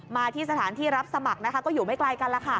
มาที่สถานที่รับสมัครนะคะก็อยู่ไม่ไกลกันแล้วค่ะ